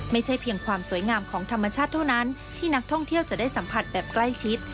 ไม่ใช่เพียงความสวยงามของธรรมชาติเท่านั้นที่นักท่องเที่ยวจะได้สัมผัสแบบใกล้ชิด